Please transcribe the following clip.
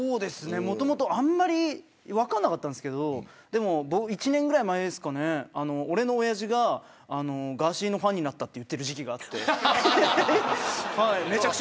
あんまり分かんなかったんですけど１年ぐらい前俺のおやじがガーシーのファンになったと言っていた時期があって。